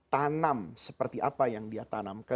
tanam seperti apa yang dia tanamkan